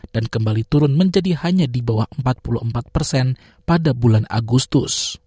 dan kembali turun menjadi hanya di bawah empat puluh empat persen pada bulan agustus